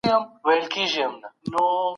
بدل سوي دي. د دې بدلونونو اصلي لامل د امپراتورانو